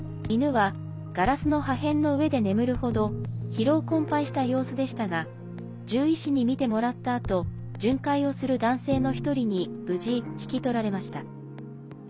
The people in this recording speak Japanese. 犬はガラスの破片の上で眠るほど疲労困ぱいした様子でしたが獣医師にみてもらったあと巡回をする男性の１人に無事、引き取られました。